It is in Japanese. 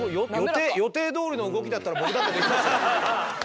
予定どおりの動きだったら僕だってできますよ。